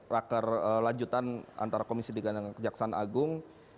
raker lanjutan antara komisi tiga dan kejaksaan agung